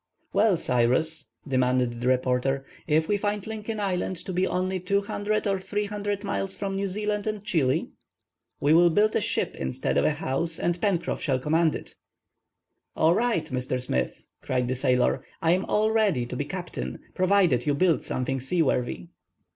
"Well, Cyrus," demanded the reporter, "if we find Lincoln Island to be only 200 or 300 miles from New Zealand or Chili?" "We will build a ship instead of a house, and Pencroff shall command it." "All right, Mr. Smith," cried the sailor; "I am all ready to be captain, provided you build something seaworthy."